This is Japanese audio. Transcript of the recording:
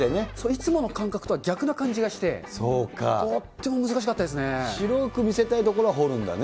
いつもの感覚とは逆な感じが白く見せたい所は彫るんだね。